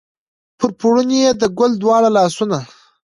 پر پوړني یې د ګل دواړه لاسونه